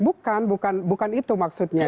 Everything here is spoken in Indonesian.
bukan bukan itu maksudnya